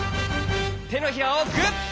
てのひらをグッ！